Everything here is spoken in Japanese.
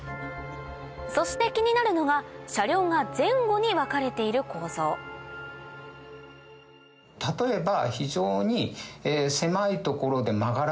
そして気になるのが車両が前後に分かれている構造例えば。